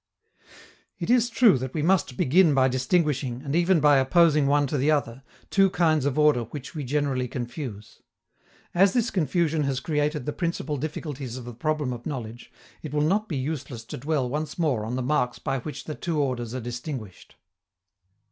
It is true that we must begin by distinguishing, and even by opposing one to the other, two kinds of order which we generally confuse. As this confusion has created the principal difficulties of the problem of knowledge, it will not be useless to dwell once more on the marks by which the two orders are distinguished.